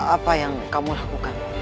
apa yang kamu lakukan